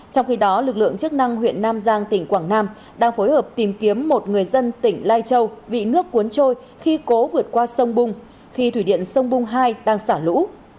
trong khi đó lực lượng chức năng huyện nam giang tỉnh quảng nam đang phối hợp tìm kiếm một người dân tỉnh lai châu bị nước cuốn trôi khi cố vượt qua sông bung khi thủy điện sông bung hai đang xả lũ